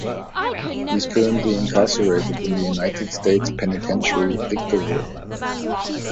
He is currently incarcerated in the United States Penitentiary, Victorville.